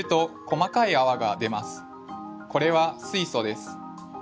これは水素です。